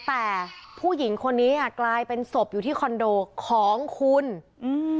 แต่ผู้หญิงคนนี้อ่ะกลายเป็นศพอยู่ที่คอนโดของคุณอืม